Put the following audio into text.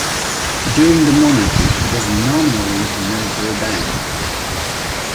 During the monarchy it was nominally a military band.